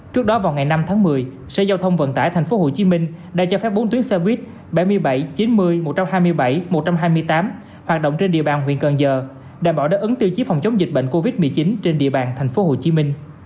trước đó vào ngày năm tháng một mươi sở giao thông vận tải tp hcm đã cho phép bốn tuyến xe buýt bảy mươi bảy chín mươi một trăm hai mươi bảy một trăm hai mươi tám hoạt động trên địa bàn huyện cần giờ đảm bảo đáp ứng tiêu chí phòng chống dịch bệnh covid một mươi chín trên địa bàn tp hcm